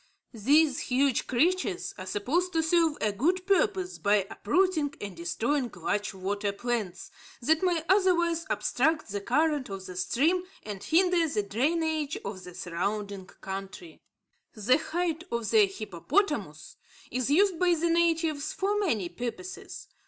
These huge creatures are supposed to serve a good purpose by uprooting and destroying large water plants that might otherwise obstruct the current of the stream and hinder the drainage of the surrounding country. The hide of the hippopotamus is used by the natives for many purposes.